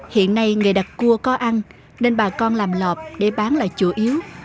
hiện nay nghề đặt cua có ăn nên bà con làm lợp để bán là chủ yếu